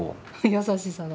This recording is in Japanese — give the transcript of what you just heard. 優しさが。